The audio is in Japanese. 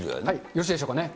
よろしいでしょうかね。